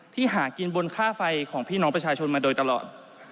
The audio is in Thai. หากินบนค่าไฟของพี่น้องประชาชนมาโดยตลอด